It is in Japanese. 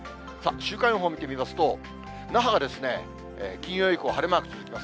週間予報を見てみますと、那覇が金曜以降、晴れマーク続きます。